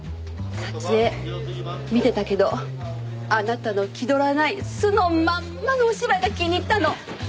撮影見てたけどあなたの気取らない素のまんまのお芝居が気に入ったの！